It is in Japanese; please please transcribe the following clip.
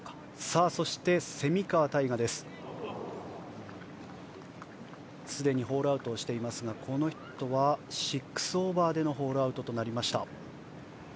そして、蝉川泰果はすでにホールアウトしていますがこの人は６オーバーでのホールアウトとなりました。